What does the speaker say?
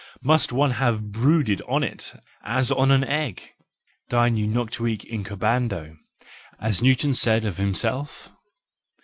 Must one have brooded on it as on an egg ? Diu noctuque incubando , as Newton said of himself?